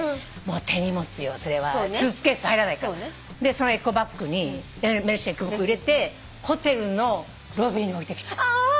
そのエコバッグにＭｅｒｃｉのエコバッグ入れてホテルのロビーに置いてきちゃった。